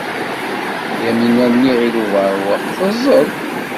Yamina n Yiɣil Ubeṛwaq teẓẓel.